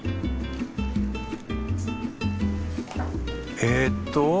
ええっと